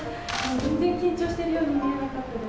全然緊張しているように見えなかったです。